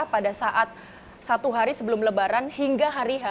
pada saat satu hari sebelum lebaran hingga hari h